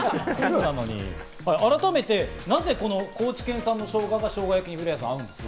改めて、なぜ高知県産のしょうがが、しょうが焼きに合うんですか？